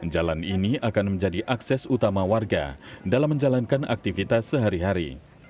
jalan ini akan menjadi akses utama warga dalam menjalankan aktivitas sehari hari